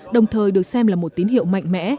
đồng thời được xem là một tín hiệu mạnh mẽ